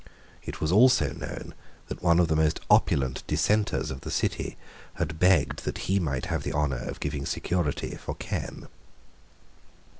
It was also known that one of the most opulent Dissenters of the City had begged that he might have the honour of giving security for Ken.